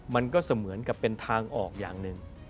มันก็เสมือนกับเป็นทางออกอย่างหนึ่ง